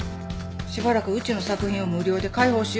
しばらくうちの作品を無料で開放しようと思う